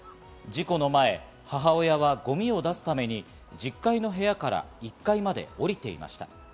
事故の前、母親はゴミを出すために１０階の部屋から１階まで下りていました。